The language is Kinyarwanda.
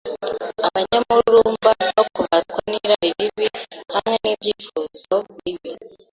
abanyamururumba no kubatwa n’irari ribi hamwe n’ibyifuzo bibi